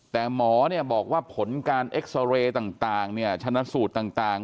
แต่หมอบอกว่าผลการเอ็กซาเรย์ต่างชนะสูตรต่าง